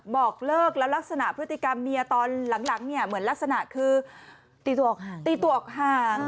บอกเลิกแล้วลักษณะพฤติกรรมเมียตอนหลังเนี่ยเหมือนลักษณะคือตีตัวออกห่าง